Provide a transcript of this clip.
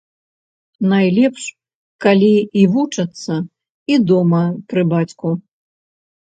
Найлепш, калі і вучацца і дома, пры бацьку.